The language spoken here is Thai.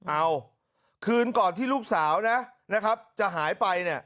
เอาคืนก่อนที่ลูกสาวนะครับจะหายไปเนี่ย